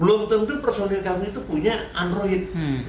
belum tentu personil kami itu punya android